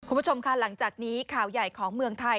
คุณผู้ชมค่ะหลังจากนี้ข่าวใหญ่ของเมืองไทย